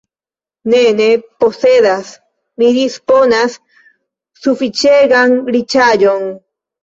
Ne, ne posedas, mi disponas sufiĉegan riĉaĵon.